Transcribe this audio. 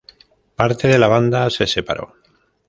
Parte de la banda se separó.